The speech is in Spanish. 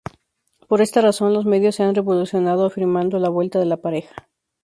Por esta razón los medios se han revolucionado afirmando la vuelta de la pareja.